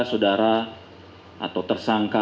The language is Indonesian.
saudara atau tersangka